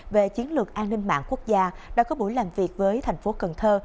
về chiến lược an ninh mạng quốc gia đã có buổi làm việc với thành phố cần thơ